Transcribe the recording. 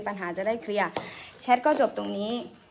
ปัญหาจะได้เคลียร์แชทก็จบตรงนี้